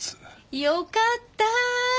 よかった！